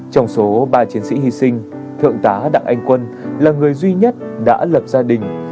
trong số ba chiến sĩ hy sinh thượng tá đặng anh quân là người duy nhất đã lập gia đình